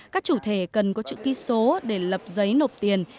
các chủ thể cần có chữ ký số để lập giấy nộp tiền